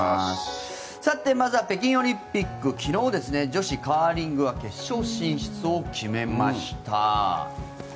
さてまずは北京オリンピック昨日、女子カーリングが決勝進出を決めました。